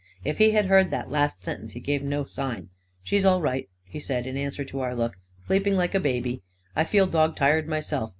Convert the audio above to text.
If he had heard that last sentence, he gave no sign. " She's all right," he said, in answer to our look. 44 Sleeping like a baby. I feel dog tired myself.